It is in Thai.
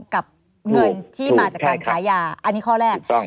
กับเงินที่มาจากการขายยาอันนี้ข้อแรก